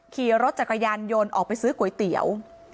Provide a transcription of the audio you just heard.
ขี่รถจักรยานยนต์ออกไปซื้อก๋วยเตี๋ยว